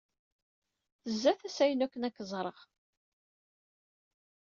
Tezza tasa-inu akken ad k-ẓreɣ.